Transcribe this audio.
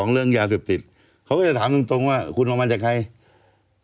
เรื่องยาเสพติดเขาก็จะถามตรงตรงว่าคุณออกมาจากใคร